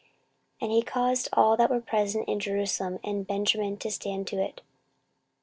14:034:032 And he caused all that were present in Jerusalem and Benjamin to stand to it.